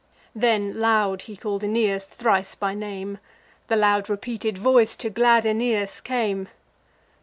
Then loud he call'd Aeneas thrice by name: The loud repeated voice to glad Aeneas came.